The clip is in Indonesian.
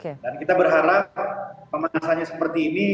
dan kita berharap pemanasannya seperti ini